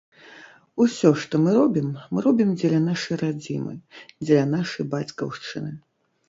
Усё, што мы робім, мы робім дзеля нашай радзімы, дзеля нашай бацькаўшчыны.